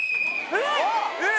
えっ！